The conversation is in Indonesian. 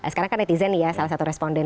sekarang kan netizen ya salah satu responden